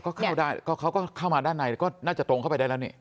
ก็เข้าได้ก็เขาก็เข้ามาด้านในก็น่าจะตรงเข้าไปได้แล้วนี่